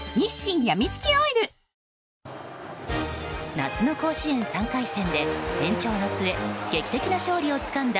夏の甲子園３回戦で延長の末劇的な勝利をつかんだ